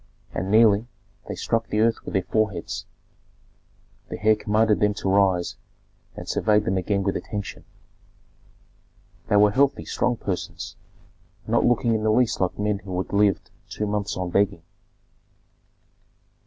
and kneeling, they struck the earth with their foreheads. The heir commanded them to rise, and surveyed them again with attention. They were healthy, strong persons, not looking in the least like men who had lived two months on begging.